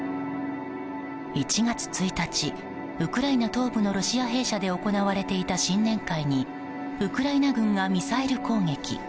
１月１日、ウクライナ東部のロシア兵舎で行われていた新年会にウクライナ軍がミサイル攻撃。